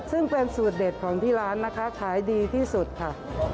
ซึ่งเป็นสูตรเด็ดของที่ร้านนะคะขายดีที่สุดค่ะ